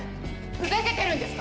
ふざけてるんですか？